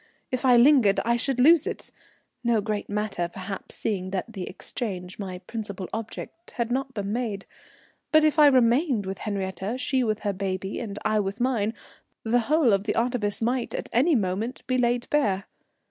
If I lingered I should lose it, no great matter perhaps, seeing that the exchange, my principal object, had not been made; but if I remained with Henriette, she with her baby and I with mine, the whole of the artifice might at any moment be laid bare.